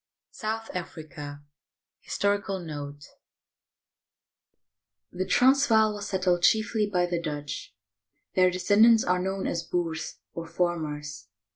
SOUTH AFRICA HISTORICAL NOTE The Transvaal was settled chiefly by the Dutch. Their de scendants are known as Boers, or farmers.